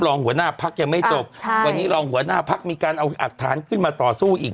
รองหัวหน้าพักยังไม่จบวันนี้รองหัวหน้าพักมีการเอาหลักฐานขึ้นมาต่อสู้อีก